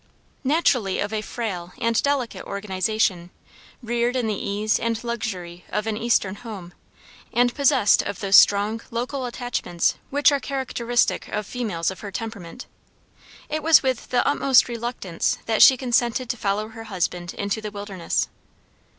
Naturally of a frail and delicate organization, reared in the ease and luxury of an eastern home, and possessed of those strong local attachments which are characteristic of females of her temperament, it was with the utmost reluctance that she consented to follow her husband into the wilderness.